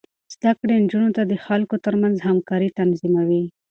زده کړې نجونې د خلکو ترمنځ همکاري تنظيموي.